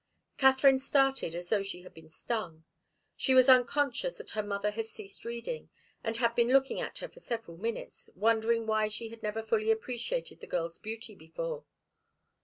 Katharine started as though she had been stung. She was unconscious that her mother had ceased reading, and had been looking at her for several minutes, wondering why she had never fully appreciated the girl's beauty before.